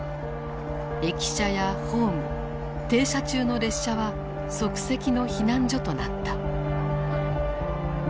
駅舎やホーム停車中の列車は即席の避難所となった。